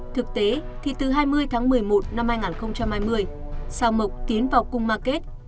thực tế thì từ hai mươi tháng một mươi một năm hai nghìn hai mươi sao mộc tiến vào cung ma kết